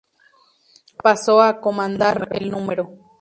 Pasó a comandar el Núm.